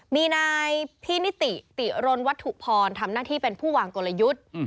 มีนายพี่นิติติรนวัตถุพรทำหน้าที่เป็นผู้วางกลยุทธ์